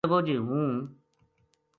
کہن لگو جی ہوں